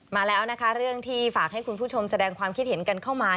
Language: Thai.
มาแล้วนะคะเรื่องที่ฝากให้คุณผู้ชมแสดงความคิดเห็นกันเข้ามา